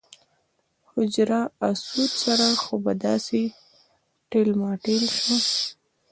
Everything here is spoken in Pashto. حجر اسود سره خو به داسې ټېل ماټېل شو.